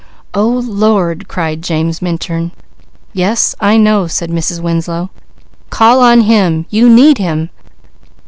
"O Lord!" cried James Minturn. "Yes I know," said Mrs. Winslow. "Call on Him! You need Him!